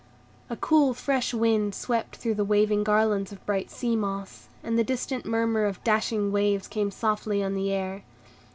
A cool, fresh wind swept through the waving garlands of bright sea moss, and the distant murmur of dashing waves came softly on the air.